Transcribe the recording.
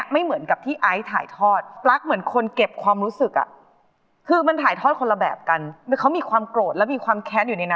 คืนซ้านี่ครับการร้องของคุณปลั๊กไฝ